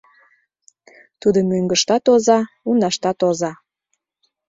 Тудо мӧҥгыштат оза, унаштат оза.